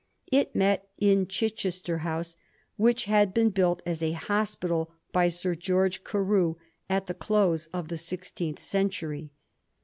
It met in Chichester House^ which had been built as a hospital by Sir George Carew at the close of the sixteenth century.